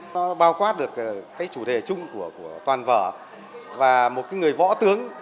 nó bao quát được cái chủ đề chung của toàn vở và một cái người võ tướng